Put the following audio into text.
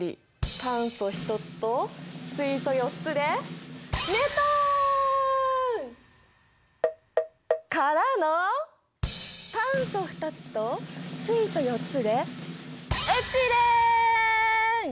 炭素１つと水素４つでメタン！からの炭素２つと水素４つでエチレン！